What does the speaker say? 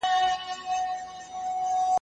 زموږ دا خوښه وه، چي موسی عليه السلام صبر کړی وای.